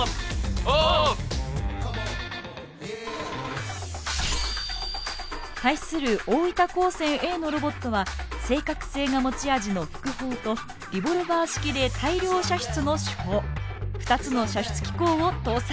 オ！対する大分高専Ａのロボットは正確性が持ち味の副砲とリボルバー式で大量射出の主砲２つの射出機構を搭載。